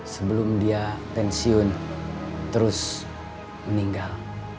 sebelum dia pensiun terus meninggal